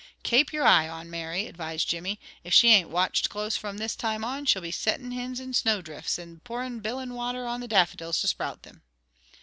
"Kape your eye on, Mary" advised Jimmy. "If she ain't watched close from this time on, she'll be settin' hins in snowdrifts, and pouring biling water on the daffodils to sprout them."